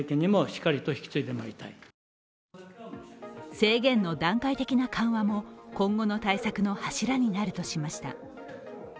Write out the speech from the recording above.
制限の段階的な緩和も今後の対策も柱になるとしました。